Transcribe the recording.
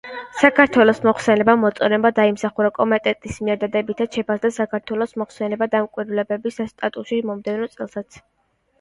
საქართველოს მოხსენებამ მოწონება დაიმსახურა კომიტეტის მიერ; დადებითად შეფასდა საქართველოს მოხსენება დამკვირვებლის სტატუსში მომდევნო წელსაც.